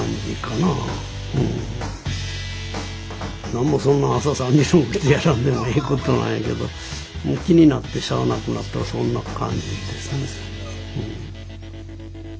なんもそんな朝３時に起きてやらんでもええことなんやけど気になってしゃあなくなったらそんな感じですね。